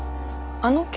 あの件？